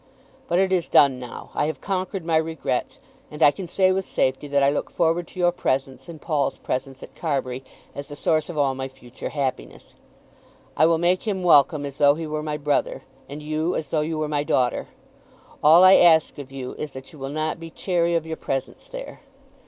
But it is done now. I have conquered my regrets, and I can say with safety that I look forward to your presence and Paul's presence at Carbury as the source of all my future happiness. I will make him welcome as though he were my brother, and you as though you were my daughter. All I ask of you is that you will not be chary of your presence there."